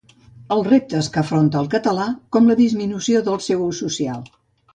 Els reptes que afronta el català, com la disminució del seu ús social